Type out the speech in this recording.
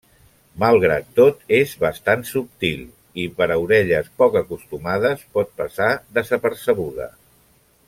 Malgrat tot, és bastant subtil i per a orelles poc acostumades pot passar desapercebuda.